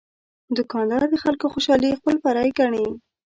دوکاندار د خلکو خوشالي خپل بری ګڼي.